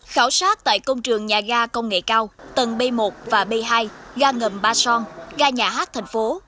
khảo sát tại công trường nhà ga công nghệ cao tầng b một và b hai ga ngầm ba son ga nhà hát thành phố